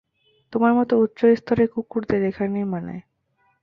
তোমার মতো উচ্চ স্তরের কুকুরদের এখানেই মানায়।